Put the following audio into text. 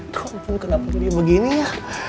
kau pun kenapa dia begini ya